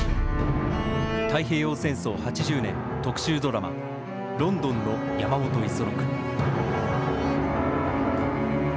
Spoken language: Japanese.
太平洋戦争８０年特集ドラマ、倫敦ノ山本五十六。